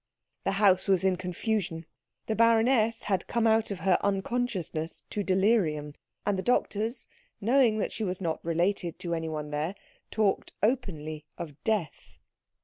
The house was in confusion. The baroness had come out of her unconsciousness to delirium, and the doctors, knowing that she was not related to anyone there, talked openly of death.